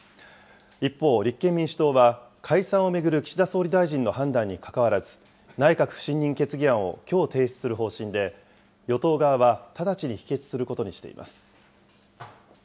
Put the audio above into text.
一方、立憲民主党は解散を巡る岸田総理大臣の判断にかかわらず、内閣不信任決議案をきょう提出する方針で、与党側は直ちに否決することにしています。